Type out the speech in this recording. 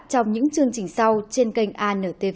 trong những chương trình sau trên kênh antv